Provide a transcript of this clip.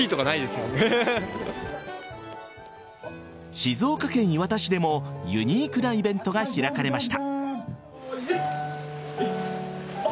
静岡県磐田市でもユニークなイベントが開かれました。